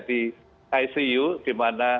di icu di mana